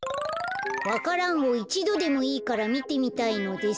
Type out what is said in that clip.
「わか蘭をいちどでもいいからみてみたいのです。